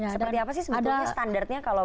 seperti apa sih sebetulnya standarnya kalau